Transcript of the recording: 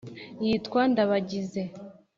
Yitwa Ndabagize.